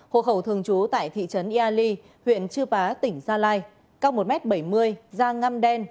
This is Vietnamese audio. hộ khẩu thường trú tại thị trấn yali huyện chư pá tỉnh gia lai cao một m bảy mươi da ngăm đen